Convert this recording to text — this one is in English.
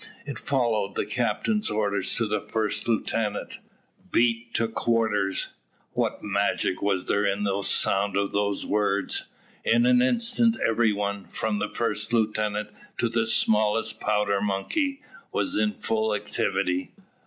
It followed the captain's order to the first lieutenant, "Beat to quarters." What magic was there in the sound of those words! In an instant every one, from the first lieutenant to the smallest powder monkey, was in full activity.